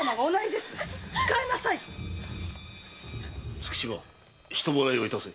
月島人払いを致せ。